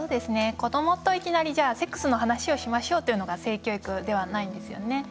子どもといきなりセックスの話をしましょうというのが性教育ではないんですよね。